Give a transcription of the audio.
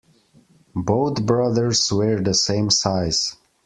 Both brothers wear the same size.